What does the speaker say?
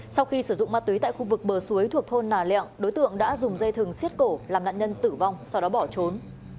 sau khi sử dụng ma túy tại khu vực bờ suối thuộc thôn nà lẹo đối tượng đã dùng dây thừng xiết cổ làm nạn nhân tử vong sau đó bỏ trốn